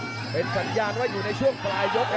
เป็นสัญญาณว่าอยู่ในช่วงปลายยกครับ